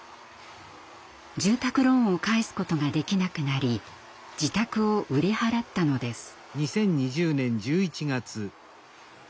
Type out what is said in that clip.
住宅ローンを返すことができなくなり自宅を売り払ったのです。